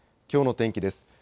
きょうの天気です。